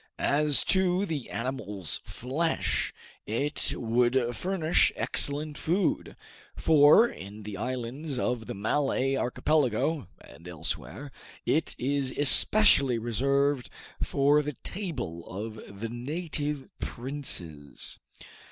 As to the animal's flesh it would furnish excellent food, for in the islands of the Malay Archipelago and elsewhere, it is especially reserved for the table of the native princes.